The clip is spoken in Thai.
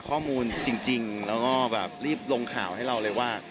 ก็รีบลงข่าวให้เราเลยว่า